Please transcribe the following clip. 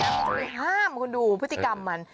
คุณจะไปห้ามคุณดูพฤติกรรมมัน